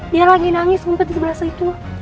dia lagi nangis ngumpet di sebelah situ